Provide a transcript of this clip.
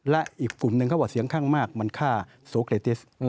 และอีกกลุ่มหนึ่งเขาบอกเสียงข้างมากมันฆ่าโสเกรติส